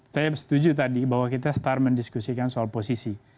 saya setuju tadi bahwa kita star mendiskusikan soal posisi